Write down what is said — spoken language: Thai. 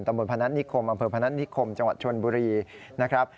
ตำรวจพนัฐนิคมอำเภอพนัฐนิคมจังหวัดชนบุรีนะครับ